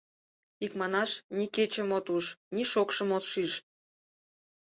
Икманаш, ни кечым от уж, ни шокшым от шиж.